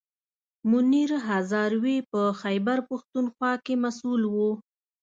منیر هزاروي په خیبر پښتونخوا کې مسوول و.